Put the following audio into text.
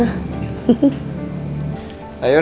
ayo rena ketemu ibu panti yuk